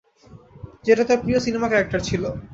যেটা তার প্রিয় সিনেমা-ক্যারেক্টর ছিলো।